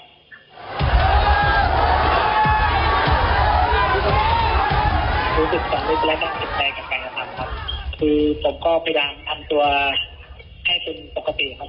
พื้นศึกสันนี่เราได้ไม่มีการกัดไปกันครับครับคือผมก็กำลังทำตัวแค่ตัวนี้ปกติครับ